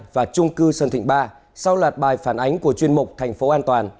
và chung cư sơn thịnh ba sau lạt bài phản ánh của chuyên mục thành phố an toàn